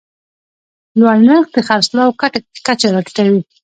لوړ نرخ د خرڅلاو کچه راټیټوي.